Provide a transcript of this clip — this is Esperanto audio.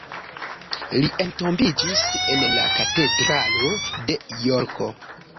Li entombiĝis en la katedralo de Jorko.